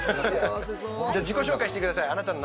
自己紹介してください。